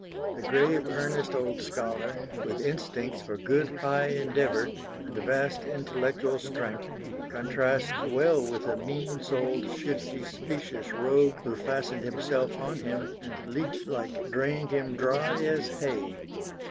The grave earnest old scholar, with instincts for good, high endeavour, and a vast intellectual strength, contrasts well with the mean souled shifty specious rogue who fastened himself on him and leech like drained him "dry as hay."